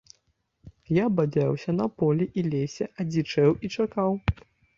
Я бадзяўся па полі і лесе, адзічэў і чакаў.